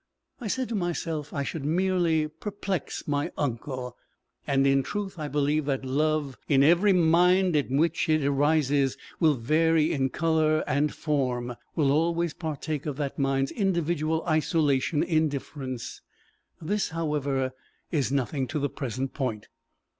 I said to myself I should merely perplex my uncle. And in truth I believe that love, in every mind in which it arises, will vary in colour and form will always partake of that mind's individual isolation in difference. This, however, is nothing to the present point.